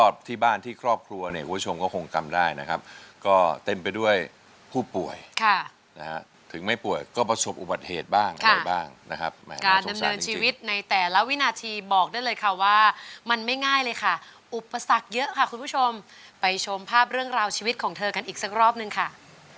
ไปชมภาพเรื่องราวชีวิตในชีวิตของเธอกันอีกรอบเลยค่ะ